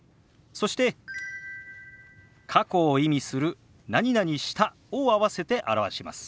そして過去を意味する「した」を合わせて表します。